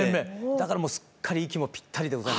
だからもうすっかり息もぴったりでございますね。